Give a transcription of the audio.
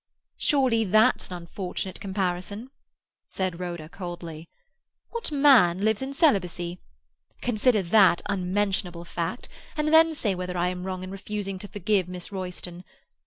"Surely that's an unfortunate comparison," said Rhoda coldly. "What man lives in celibacy? Consider that unmentionable fact, and then say whether I am wrong in refusing to forgive Miss Royston.